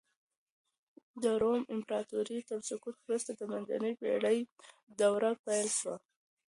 د روم امپراطورۍ تر سقوط وروسته د منځنۍ پېړۍ دوره پيل سوه.